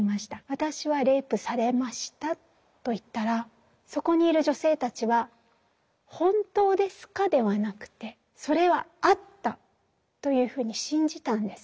「私はレイプされました」と言ったらそこにいる女性たちは「本当ですか」ではなくて「それはあった」というふうに信じたんです。